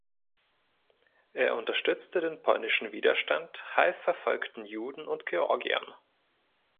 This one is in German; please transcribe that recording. Er unterstützte den polnischen Widerstand, half verfolgten Juden und Georgiern.